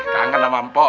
kangen sama pok